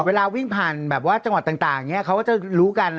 เวลาวิ่งผ่านจังหวัดต่างเขาจะรู้กัน